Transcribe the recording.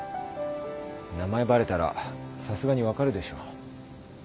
名前バレたらさすがに分かるでしょ。